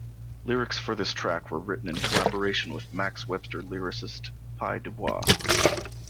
Lyrics for this track were written in collaboration with Max Webster lyricist Pye Dubois.